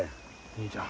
兄ちゃん。